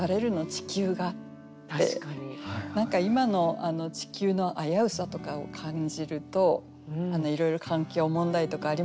ちきゅうが」って何か今の地球の危うさとかを感じるといろいろ環境問題とかありますよね。